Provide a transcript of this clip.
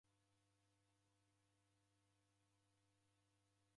Ndeupoilwagha ni oho